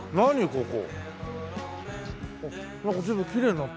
ここ。